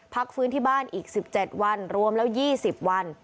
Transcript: พักฟื้นที่บ้านอีก๑๗วันรวมแล้ว๒๐วัน